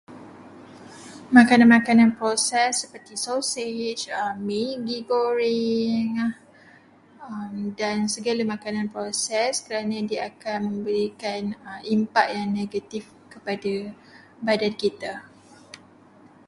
Makanan-makanan proses seperti sosej, maggi goreng dan segala makanan proses, kerana dia akan memberikan impak yang negatif kepada badan kita.